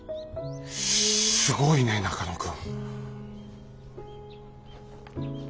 すごいね中野君。